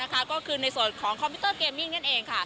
ก็คือในส่วนของคอมพิวเตอร์เกมมิ่งนั่นเอง